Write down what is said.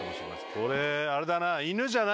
これあれだな。